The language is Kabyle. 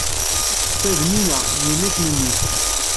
Ta d Nina, d yelli-s n mmi-k.